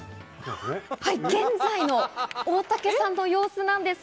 現在の大竹さんの様子なんです。